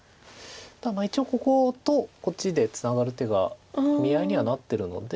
一応こことこっちでツナがる手が見合いにはなってるので。